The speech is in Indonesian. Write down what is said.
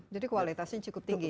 jadi kualitasnya cukup tinggi ya